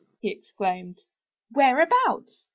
he exclaimed. "Whereabouts?